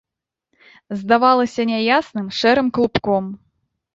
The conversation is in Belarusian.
Здавалася няясным, шэрым клубком.